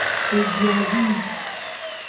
Kediiya dii.